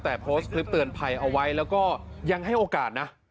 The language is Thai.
แต่โพสต์คลิปเตือนภัยเอาไว้แล้วก็ยังให้โอกาสนะ